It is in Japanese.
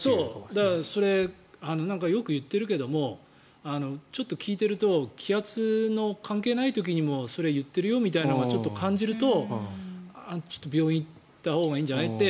だからそれ、よく言ってるけどもちょっと聞いていると気圧の関係ない時にもそれ、言ってるよみたいなのを感じるとちょっと病院行ったほうがいいんじゃないって。